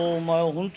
本当